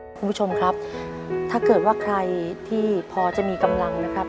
คุณผู้ชมครับถ้าเกิดว่าใครที่พอจะมีกำลังนะครับ